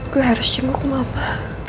gua harus cembuk mama